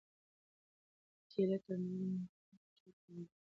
دا کیله تر نورو مېوو ډېر ژر په وجود کې جذبیږي.